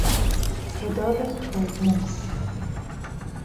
پدال ترمز